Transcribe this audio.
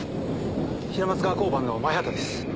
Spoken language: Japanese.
平松川交番の前畑です。